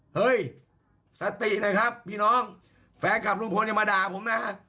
เฮ้ยสติเลยครับพี่น้องแฟนคลับลุงพลยังมาด่าผมนะ